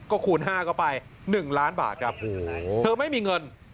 คูณ๕เข้าไป๑ล้านบาทครับเธอไม่มีเงิน